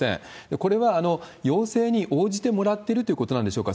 これは要請に応じてもらってるということなんでしょうか。